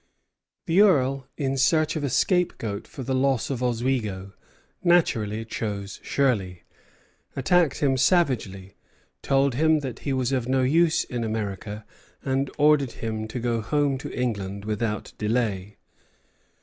The Earl, in search of a scapegoat for the loss of Oswego, naturally chose Shirley, attacked him savagely, told him that he was of no use in America, and ordered him to go home to England without delay.